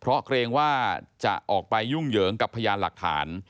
เพราะเกรงว่าจะออกไปยุ่งเหยิงกับพยานหลักฐาน